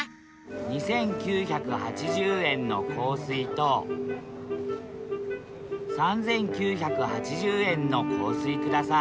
２，９８０円の香水と３，９８０円の香水ください